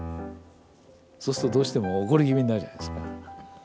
そうするとどうしても怒り気味になるじゃないですか。